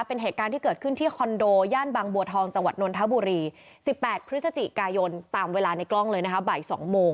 เป็นเหตุการณ์ที่เกิดขึ้นที่คอนโดย่านบางบัวทองจังหวัดนนทบุรี๑๘พฤศจิกายนตามเวลาในกล้องเลยนะคะบ่าย๒โมง